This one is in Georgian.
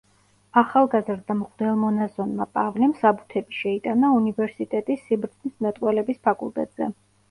ახალგაზრდა მღვდელმონაზონმა პავლემ საბუთები შეიტანა უნივერსიტეტის სიბრძნისმეტყველების ფაკულტეტზე.